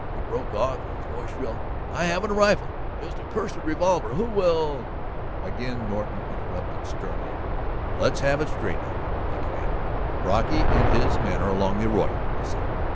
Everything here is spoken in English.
he broke off, his voice shrill. "I haven't a rifle, just a cursed revolver. Who will ..." Again Norton interrupted sternly. "Let's have it straight, Elmer," he commanded. "Brocky and his men are along the arroyo, you say?